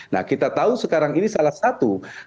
nah kita tahu sekarang ini salah satu